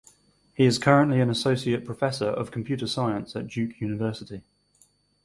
He is currently an associate professor of computer science at Duke University.